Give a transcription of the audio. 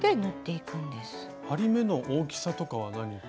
針目の大きさとかは何か。